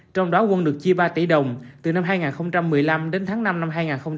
trong đó quân được chia ba tỷ đồng từ năm hai nghìn một mươi năm đến tháng năm năm hai nghìn một mươi bảy